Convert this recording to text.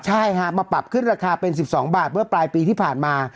ใช่ฮะมาปรับขึ้นราคาเป็น๑๒บาทเมื่อปลายปีที่ผ่านมา